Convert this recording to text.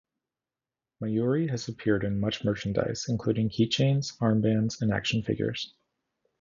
Mayuri has appeared in much merchandise including key chains, arm bands, and action figures.